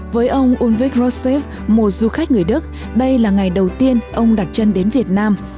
với ông ulrich rostep một du khách người đức đây là ngày đầu tiên ông đặt chân đến việt nam